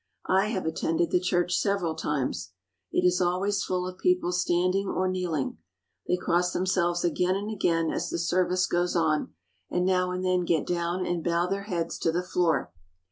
I have attended the church several times. It is always full of people standing or kneeling. They cross themselves again and again as the service goes on, and now and then get down and bow their heads to the floor.